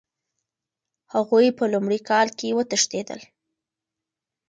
هغوی په لومړي کال کې وتښتېدل.